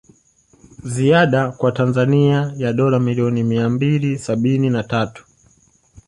Ziada kwa Tanzania ya dola milioni mia mbili sabini na tatu